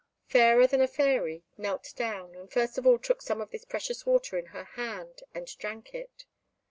Fairer than a Fairy knelt down, and first of all took some of this precious water in her hand, and drank it.